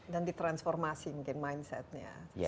dan di transformasi mungkin mindsetnya